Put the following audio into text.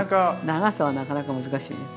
長さはなかなか難しいね。